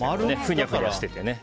ふにゃふにゃしててね。